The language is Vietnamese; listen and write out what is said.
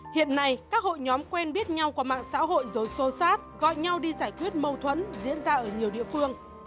hiện nay các hội nhóm quen biết nhau qua mạng xã hội rồi xô sát gọi nhau đi giải quyết mâu thuẫn diễn ra ở nhiều địa phương